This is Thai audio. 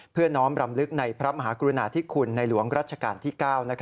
น้อมรำลึกในพระมหากรุณาธิคุณในหลวงรัชกาลที่๙